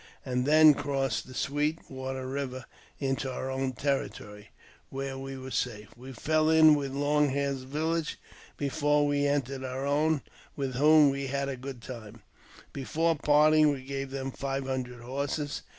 and then crossed the Sweet Water Eiver into our own territory] where we were safe. We fell in with Long Hair's village before we entered our own, with whom we had a good time^ Before parting we gave them five hundred horses.